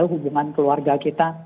lalu hubungan keluarga kita